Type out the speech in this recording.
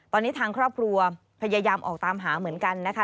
ตอนนี้ทางครอบครัวพยายามออกตามหาเหมือนกันนะคะ